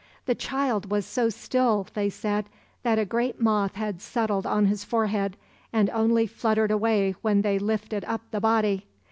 The child was so still, they said, that a great moth had settled on his forehead and only fluttered away when they lifted up the body.